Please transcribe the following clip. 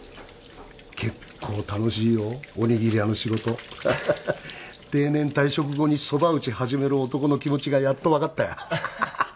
結構楽しいよおにぎり屋の仕事定年退職後にそば打ち始める男の気持ちがやっと分かったよハハハ・